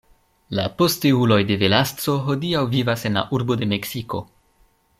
La posteuloj de Velasco hodiaŭ vivas en la urbo de Meksiko.